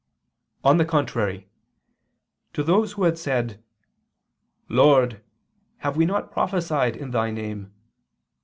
On the contrary, To those who had said, "Lord, have we not prophesied in Thy name?"